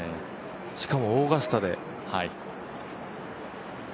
しかもオーガスタで。